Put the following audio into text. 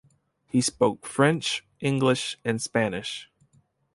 He spoke French, English, and Spanish.